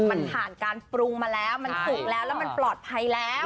มันผ่านการปรุงมาแล้วมันสุกแล้วแล้วมันปลอดภัยแล้ว